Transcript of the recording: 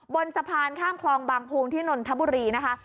บนสะพานข้ามคลองบางภูมิที่นนทบุรีนะคะ